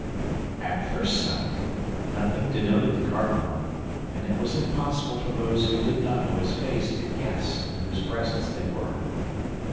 At first sight, nothing denoted the cardinal; and it was impossible for those who did not know his face to guess in whose presence they were.